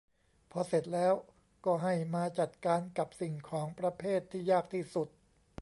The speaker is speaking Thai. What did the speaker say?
พอเสร็จแล้วก็ให้มาจัดการกับสิ่งของประเภทที่ยากที่สุด